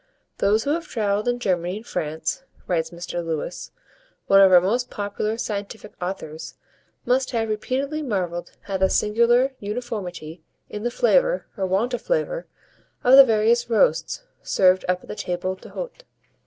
"Those who have travelled in Germany and France," writes Mr. Lewis, one of our most popular scientific authors, "must have repeatedly marvelled at the singular uniformity in the flavour, or want of flavour, of the various 'roasts' served up at the table d'hôte."